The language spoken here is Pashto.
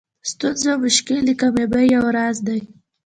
ستونزه او مشکل د کامیابۍ یو راز دئ.